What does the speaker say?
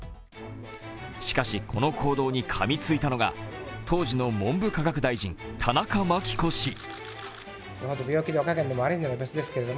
しかしこの行動にかみついたのが当時の文部科学大臣・田中眞紀子氏。